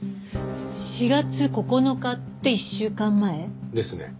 ４月９日って１週間前？ですね。